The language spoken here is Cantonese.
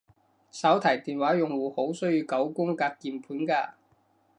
手提電話用戶好需要九宮格鍵盤㗎